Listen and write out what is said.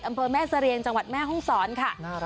อำเภอแม่เสรียงจังหวัดแม่ห้องศรค่ะ